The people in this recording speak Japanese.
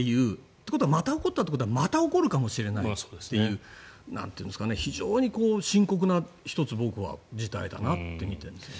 ということはまた起こったということはまた起こるかもしれないという非常に深刻な１つ、事態だなと僕は見ているんですね。